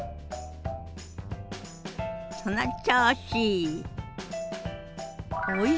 その調子！